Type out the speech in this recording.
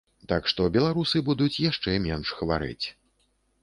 Так што беларусы будуць яшчэ менш хварэць.